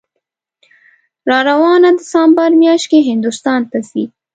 راروانه دسامبر میاشت کې هندوستان ته ځي